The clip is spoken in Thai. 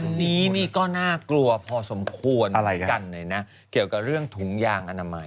อันนี้นี่ก็น่ากลัวพอสมควรกันเลยนะเกี่ยวกับเรื่องถุงยางอนามัย